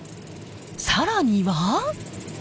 更には。